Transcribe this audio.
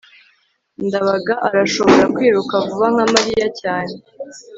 ndabaga arashobora kwiruka vuba nka mariya cyane